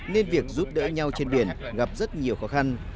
nên việc giúp đỡ nhau trên biển gặp rất nhiều khó khăn